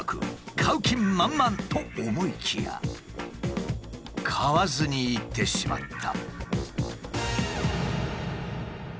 買う気満々と思いきや買わずに行ってしまった。